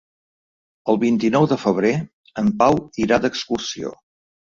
El vint-i-nou de febrer en Pau irà d'excursió.